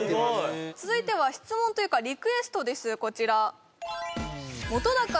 続いては質問というかリクエストです